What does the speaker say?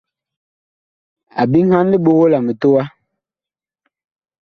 A biŋhan liɓogo la mitowa.